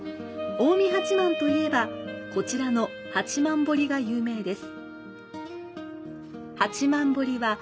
近江八幡といえば、こちらの八幡堀が有名です。